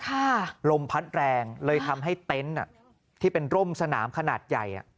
ลมพัดแรงเลยทำให้เต็นต์อ่ะที่เป็นร่มสนามขนาดใหญ่อ่ะ